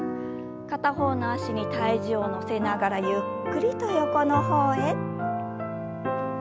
片方の脚に体重を乗せながらゆっくりと横の方へ。